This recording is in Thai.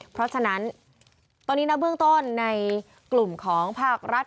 เพราะฉะนั้นตอนนี้นะเบื้องต้นในกลุ่มของภาครัฐ